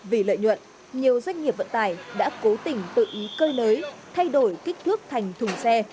vì lợi nhuận nhiều doanh nghiệp vận tải đã cố tình tự ý cơi nới thay đổi kích thước thành thùng xe